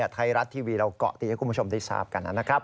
ไทยรัฐทีวีเราเกาะตีให้คุณผู้ชมได้ทราบกันนะครับ